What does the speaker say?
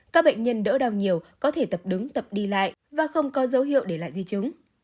các bệnh nhân đỡ đau nhiều có thể tập đứng tập đi lại và không có dấu hiệu để lại di chứng